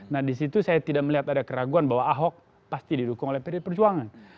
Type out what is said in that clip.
nah disitu saya tidak melihat ada keraguan bahwa ahok pasti didukung oleh pd perjuangan